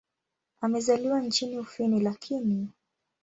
Amezaliwa nchini Ufini lakini.